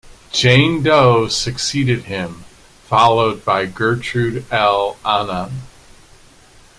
Janet Doe succeeded him, followed by Gertrude L. Annan.